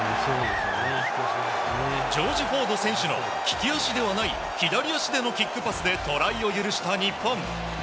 ジョージ・フォード選手の利き足ではない左足でのキックパスでトライを許した日本。